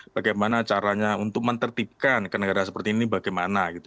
bagaimana caranya untuk menertibkan ke negara seperti ini bagaimana gitu